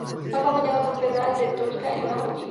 Va acompañado de un pedal de tónica en el bajo continuo.